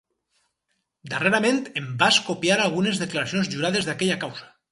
Darrerament em vas copiar algunes declaracions jurades d'aquella causa.